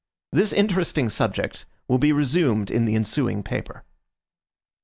This interesting subject will be resumed in the ensuing paper.